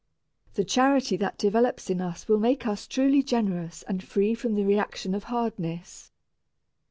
The charity that develops in us will make us truly generous and free from the reaction of hardness.